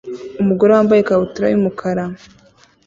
Umugore wambaye ikabutura y'umukara